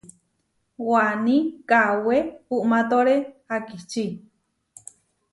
Waní kawé umatóre akiči.